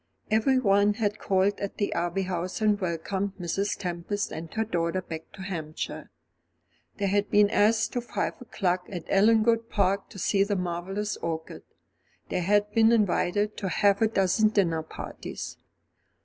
Everyone had called at the Abbey House and welcomed Mrs. Tempest and her daughter back to Hampshire. They had been asked to five o'clock at Ellangowan Park, to see the marvellous orchid. They had been invited to half a dozen dinner parties.